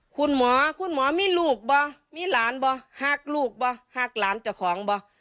คุณหมอคุณหมอมีลูกป่ะมีหลานบ่ะหักลูกบ่ะหักหลานเจ้าของบ่ะ